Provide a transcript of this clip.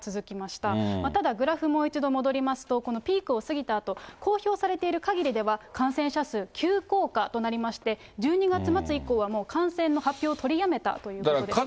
ただグラフ、もう一度戻りますと、このピークを過ぎたあと、公表されているかぎりでは、感染者数、急降下となりまして、１２月末以降は、もう感染の発表を取りやめたということですね。